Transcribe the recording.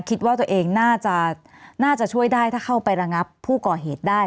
คิดว่าตัวเองน่าจะน่าจะช่วยได้ถ้าเข้าไประงับผู้ก่อเหตุได้